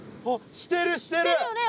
してるしてる！